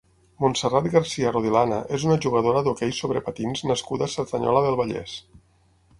Montserrat Garcia Rodilana és una jugadora d’hoquei sobre patins nascuda a Cerdanyola del Vallès.